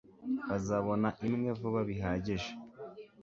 bazabona imwe vuba bihagije